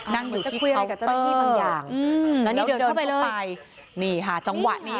นั่งอยู่ที่เคาน์เตอร์แล้วเดินเข้าไปนี่ค่ะจังหวะนี้ค่ะ